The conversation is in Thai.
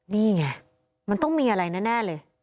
นี่ไงมันต้องมีอะไรแน่เลย